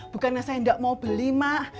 bukannya saya enggak mau beli mak